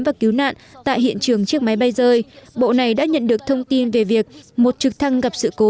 và cứu nạn tại hiện trường chiếc máy bay rơi bộ này đã nhận được thông tin về việc một trực thăng gặp sự cố